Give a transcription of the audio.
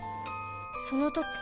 その時